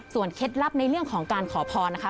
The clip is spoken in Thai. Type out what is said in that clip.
เคล็ดลับในเรื่องของการขอพรนะคะ